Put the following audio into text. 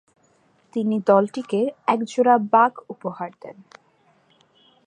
তিনি দলটিকে একজোড়া বাঘ উপহার দেন।